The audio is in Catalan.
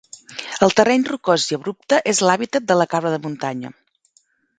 El terreny rocós i abrupte és l'hàbitat de la cabra de muntanya.